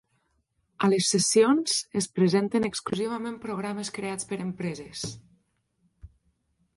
A les sessions es presenten exclusivament programes creats per empreses.